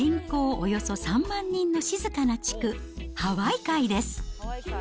およそ３万人の静かな地区、ハワイカイです。